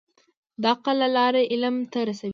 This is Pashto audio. د عقل لار علم ته رسوي.